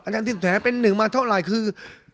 อันที่สุดแหน่งเป็น๑มาเท่าไหร่คือ